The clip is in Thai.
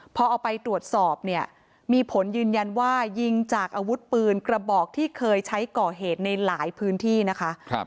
พอเอาไปตรวจสอบเนี่ยมีผลยืนยันว่ายิงจากอาวุธปืนกระบอกที่เคยใช้ก่อเหตุในหลายพื้นที่นะคะ